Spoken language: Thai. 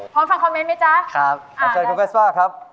พร้อมฟังคอมเม้นต์ไหมจ๊ะ